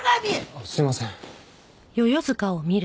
あっすいません。